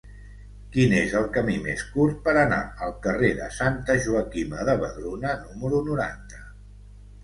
Quin és el camí més curt per anar al carrer de Santa Joaquima de Vedruna número noranta?